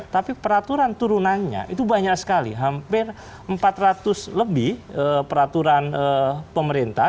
tapi peraturan turunannya itu banyak sekali hampir empat ratus lebih peraturan pemerintah